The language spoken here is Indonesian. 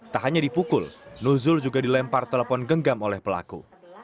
tak hanya dipukul nuzul juga dilempar telepon genggam oleh pelaku